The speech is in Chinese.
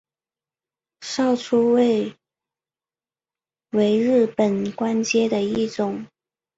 少初位为日本官阶的一种。